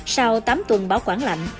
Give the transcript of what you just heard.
sau tám tuần bảo quản lạnh